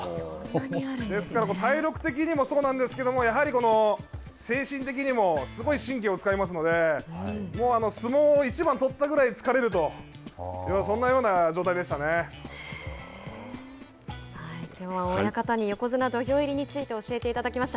ですから、体力的にもそうなんですけどもやはり、精神的にもすごい神経を使いますのでもう相撲一番を取ったぐらい疲れると、きょうは、親方に横綱土俵入りについて教えていただきました。